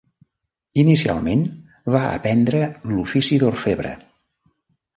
Inicialment va aprendre l'ofici d'orfebre.